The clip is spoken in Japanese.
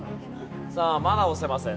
さあまだ押せません。